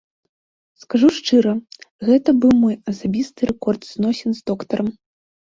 Скажу шчыра, гэта быў мой асабісты рэкорд зносін з доктарам.